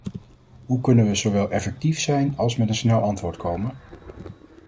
Hoe kunnen we zowel effectief zijn als met een snel antwoord komen?